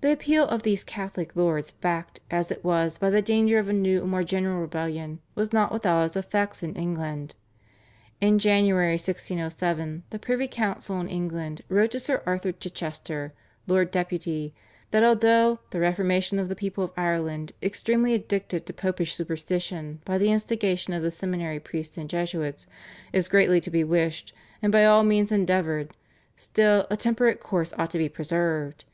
The appeal of these Catholic lords, backed as it was by the danger of a new and more general rebellion, was not without its effects in England. In January 1607 the privy council in England wrote to Sir Arthur Chichester, Lord Deputy, that although "the reformation of the people of Ireland, extremely addicted to Popish superstition by the instigation of the seminary priests and Jesuits, is greatly to be wished and by all means endeavoured, still, a temperate course ought to be preserved."